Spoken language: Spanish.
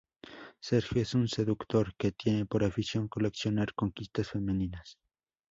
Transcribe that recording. Sergio es un seductor que tiene por afición coleccionar conquistas femeninas.